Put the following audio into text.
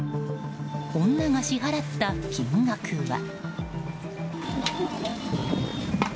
女が支払った金額は。